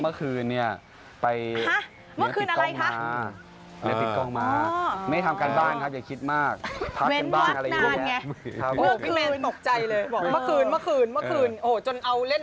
เมื่อกืนนี้เนี่ยตอนเช้านี้เกี๊ยวไม่ตื่น